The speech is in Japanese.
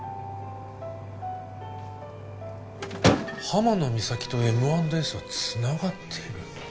浜野美咲とＭ＆Ｓはつながっている。